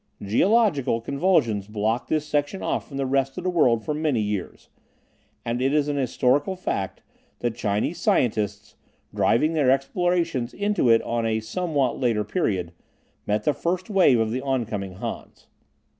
Geological convulsions blocked this section off from the rest of the world for many years. And it is a historical fact that Chinese scientists, driving their explorations into it at a somewhat later period, met the first wave of the on coming Hans.